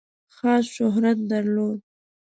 خاص شهرت درلود.